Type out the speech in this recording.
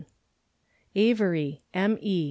Avery, M. E.